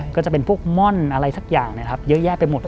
คือจะเป็นพวกม่อนอะไรสักอย่างเยอะแยะไปหมด